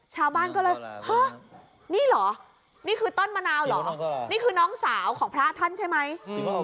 ชาวบ้านก็เลยฮะนี่เหรอนี่คือต้นมะนาวเหรอนี่คือน้องสาวของพระท่านใช่ไหม